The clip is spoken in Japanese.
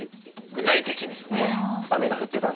具体的にですよね。